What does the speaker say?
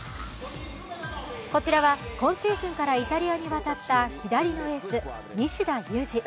こちらは今シーズンからイタリアに渡った左のエース・西田有志。